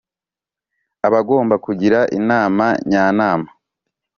abagomba kugira Inama Njyanama